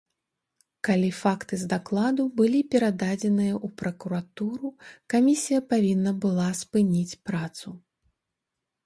Калі факты з дакладу былі перададзеныя ў пракуратуру, камісія павінна была спыніць працу.